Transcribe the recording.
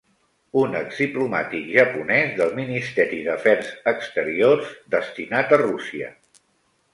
Un exdiplomàtic japonès del Ministeri d'Afers Exteriors destinat a Rússia.